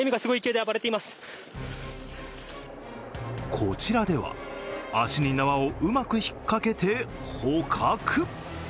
こちらでは、足に縄をうまく引っかけて捕獲。